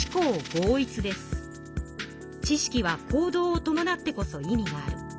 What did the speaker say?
知識は行動をともなってこそ意味がある。